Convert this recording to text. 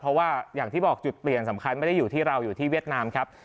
เพราะว่าอย่างที่บอกจุดเปลี่ยนสำคัญไม่ได้อยู่ที่เราอยู่ที่เวียดนามครับ